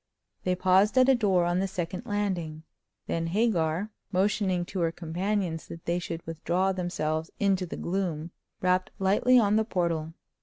They paused at a door on the second landing. Then Hagar, motioning to her companions that they should withdraw themselves into the gloom, rapped lightly on the portal.